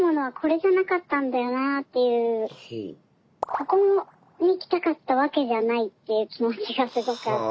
ここに来たかったわけじゃないという気持ちがすごくあって。